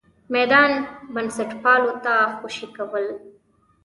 میدان بنسټپالو ته خوشې کول.